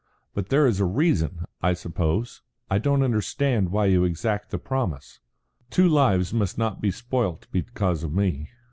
"But there is a reason, I suppose. I don't understand why you exact the promise." "Two lives must not be spoilt because of me."